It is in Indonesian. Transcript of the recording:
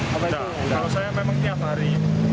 kalau saya memang tiap hari